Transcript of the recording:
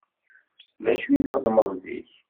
D acu i txeddmeḍ zik?